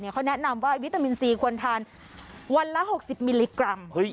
เขาแนะนำว่าวิตามินซีควรทานวันละ๖๐มิลลิกรัม